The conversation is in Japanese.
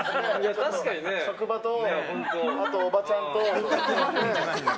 職場とおばちゃんと。